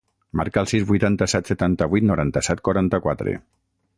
Marca el sis, vuitanta-set, setanta-vuit, noranta-set, quaranta-quatre.